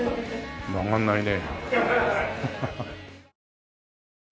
曲がんないね。